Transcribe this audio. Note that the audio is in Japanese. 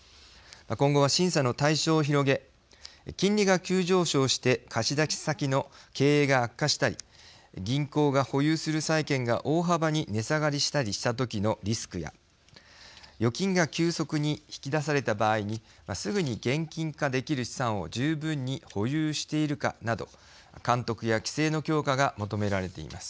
今後は審査の対象を広げ金利が急上昇して貸し出し先の経営が悪化したり銀行が保有する債券が大幅に値下がりしたりした時のリスクや預金が急速に引き出された場合にすぐに現金化できる資産を十分に保有しているかなど監督や規制の強化が求められています。